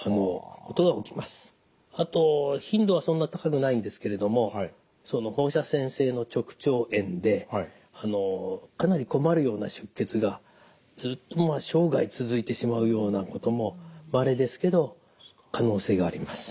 あと頻度はそんなに高くないんですけれどもその放射線性の直腸炎でかなり困るような出血がずっと生涯続いてしまうようなこともまれですけど可能性があります。